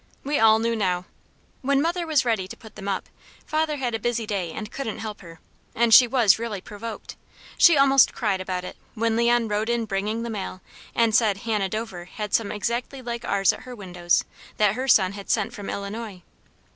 We all knew now. When mother was ready to put them up, father had a busy day and couldn't help her, and she was really provoked. She almost cried about it, when Leon rode in bringing the mail, and said Hannah Dover had some exactly like ours at her windows, that her son had sent from Illinois.